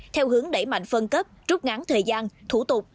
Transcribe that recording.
theo hướng đẩy mạnh phân cấp rút ngắn thời gian thủ tục